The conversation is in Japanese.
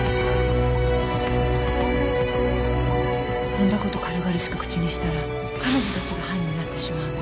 そんなこと軽々しく口にしたら彼女たちが犯人になってしまうのよ